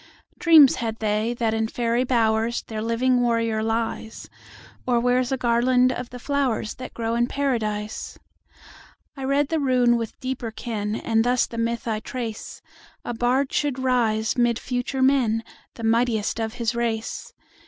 Dreams had they, that in fairy bowersTheir living warrior lies, Or wears a garland of the flowersThat grow in Paradise.I read the rune with deeper ken, And thus the myth I trace:—A bard should rise, mid future men, The mightiest of his race.